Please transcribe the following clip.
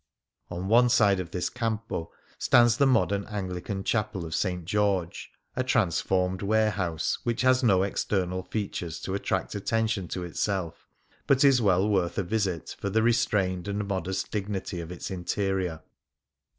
On one side of this campo stands the modern Anglican Chapel of St. George, a transformed warehouse which has no external features to attract attention to itself, but is well worth a visit for the re strained and modest dignity of its interior.